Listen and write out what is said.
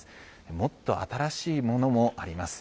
もっと新しいものもあります。